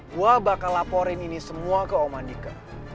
gue bakal laporin ini semua ke om andika